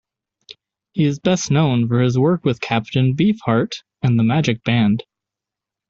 He is best known for his work with Captain Beefheart and The Magic Band.